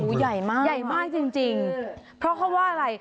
อู๋ใหญ่มากใหญ่มากจริงเพราะเขาว่าอะไร